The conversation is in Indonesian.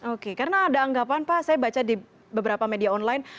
oke karena ada anggapan pak saya baca di beberapa media online